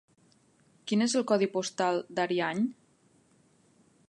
Quin és el codi postal d'Ariany?